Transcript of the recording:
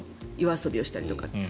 夜遊びをしたりだとか。